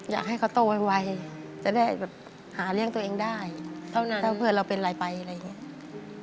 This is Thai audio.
อยากให้เขาโตไวจะได้หาเลี่ยงตัวเองได้เพื่อเราเป็นไรไปอะไรอย่างนี้